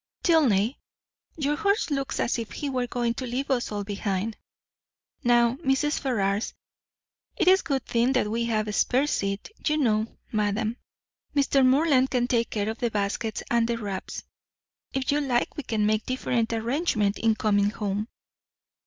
Tilney, your horse looks as if he were going to leave us all behind. Now, Mrs. Ferrars. It is a good thing we have a spare seat, you know, madam. Mr. Morland can take care of the baskets and the wraps. If you like, we can make different arrangement in coming home."